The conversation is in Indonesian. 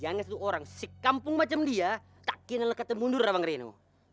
jangan satu orang si kampung macam dia tak kena lekat dan mundur abang reno